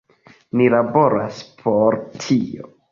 Ni laboras por tio.